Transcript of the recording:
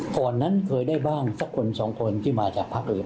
ก่อนนั้นเคยได้บ้างสักคนสองคนที่มาจากพักอื่น